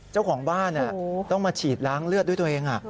เจ้าของบ้านต้องมาฉีดล้างเลือดด้วยตัวเอง